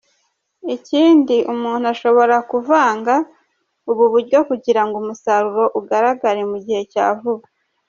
Ikindi umuntu ashobora kuvanga ubu buryo kugirango umusaruro ugaragare mu gihe cya vuba.